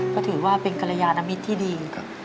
เกิดถือว่ามันใหญ่น้ำมิตรที่ดี